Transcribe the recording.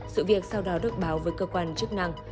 sự việc sau đó được báo với cơ quan chức năng